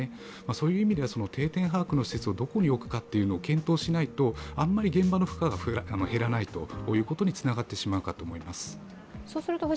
そういう意味では、定点把握の施設をどこに置くかを検討しないとあまり現場の負荷が減らないということにつながってしまうと思います。